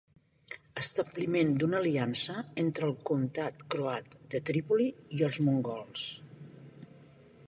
Establiment d'una aliança entre el comtat croat de Trípoli i els mongols.